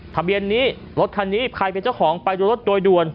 ทะเบียนนี้รถคันนี้ใครเป็นเจ้าของไปดูรถโดยด่วน